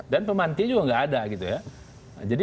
dan pemantinya juga nggak ada gitu ya